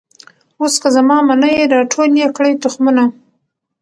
اوس که زما منۍ را ټول یې کړی تخمونه